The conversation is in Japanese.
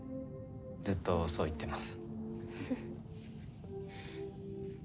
ずっとそう言ってます。